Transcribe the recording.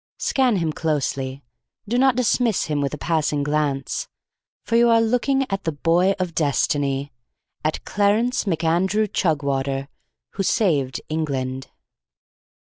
Scan him closely. Do not dismiss him with a passing glance; for you are looking at the Boy of Destiny, at Clarence MacAndrew Chugwater, who saved England.